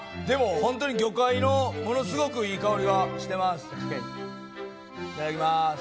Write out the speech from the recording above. でも本当に魚介のものすごくいい香りがしてます。